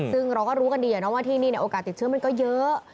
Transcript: ซึ่งเราก็รู้กันดีนะว่าที่นี่โอกาสติดเชื้อมันก็เยอะ